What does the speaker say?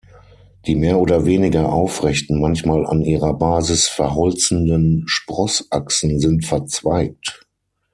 Die mehr oder weniger aufrechten, manchmal an ihrer Basis verholzenden Sprossachsen sind verzweigt.